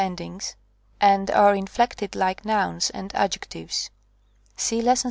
endings, and are in flected like nouns and adjectives. See § 61.